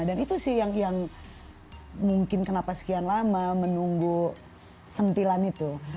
dan itu sih yang mungkin kenapa sekian lama menunggu sentilan itu